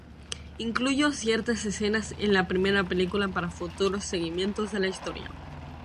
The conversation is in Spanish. Incluyó ciertas escenas en la primera película para futuros seguimientos de la historia.